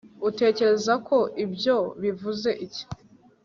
utekereza ko ibyo bivuze iki